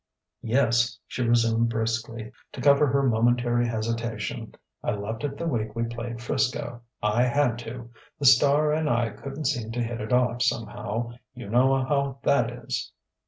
"Yes," she resumed briskly, to cover her momentary hesitation, "I left it the week we played 'Frisco. I had to. The star and I couldn't seem to hit it off, somehow. You know how that is."